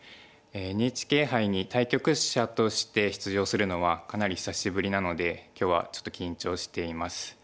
ＮＨＫ杯に対局者として出場するのはかなり久しぶりなので今日はちょっと緊張しています。